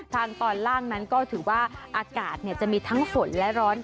ทางตอนล่างนั้นก็ถือว่าอากาศจะมีทั้งฝนและร้อน